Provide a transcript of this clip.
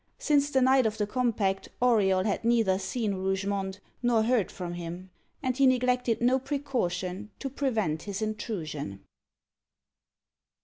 Since the night of the compact, Auriol had neither seen Rougemont, nor heard from him, and he neglected no precaution to prevent his intrusion.